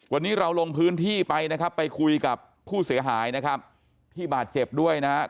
วันนี้เราลงพื้นที่ไปนะครับไปคุยกับผู้เสียหายนะครับที่บาดเจ็บด้วยนะครับ